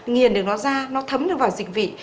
nghiền được nó ra nó thấm được vào dịch vị